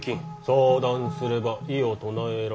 相談すれば異を唱えられる。